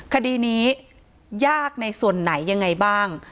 คดีนี้ยากในส่วนไหนยังไงบ้าง